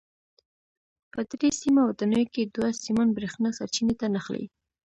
په درې سیمه ودانیو کې دوه سیمان برېښنا سرچینې ته نښلي.